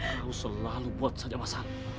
kau selalu buat saja masalah